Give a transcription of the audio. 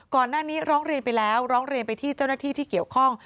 ก่อนหน้านี้ร้องเรียนไปแล้วร้องเรียนไปที่เจ้าหน้าที่ที่เกี่ยวข้อง